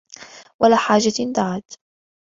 وَلَا حَاجَةٍ دَعَتْ